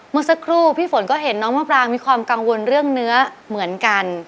เมื่อสักครู่พี่ฝนก็เห็นน้องมะปรางมีความกังวลเรื่องเนื้อเหมือนกัน